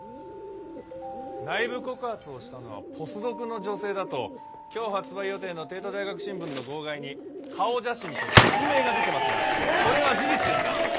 内部告発をしたのはポスドクの女性だと今日発売予定の帝都大学新聞の号外に顔写真と実名が出てますがこれは事実ですか？